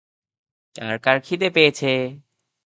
কার কার খিদে পেয়েছে?